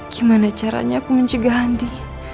gimana caranya aku mencegah handi